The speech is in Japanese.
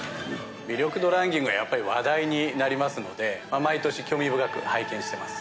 魅力度ランキングはやっぱり話題になりますので、毎年、興味深く拝見してます。